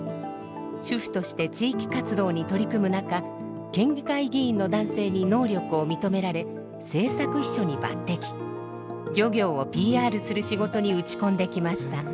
主婦として地域活動に取り組む中県議会議員の男性に能力を認められ漁業をＰＲする仕事に打ち込んできました。